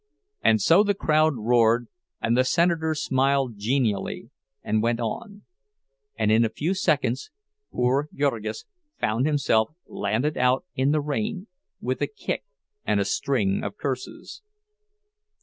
And so the crowd roared, and the senator smiled genially, and went on; and in a few seconds poor Jurgis found himself landed out in the rain, with a kick and a string of curses.